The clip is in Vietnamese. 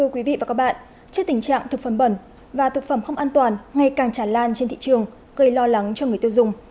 thưa quý vị và các bạn trước tình trạng thực phẩm bẩn và thực phẩm không an toàn ngày càng tràn lan trên thị trường gây lo lắng cho người tiêu dùng